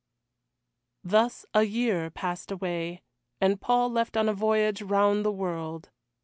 Thus a year passed away, and Paul left on a voyage round the world.